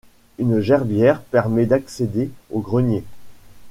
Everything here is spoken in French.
Une gerbière permet d'accéder au grenier.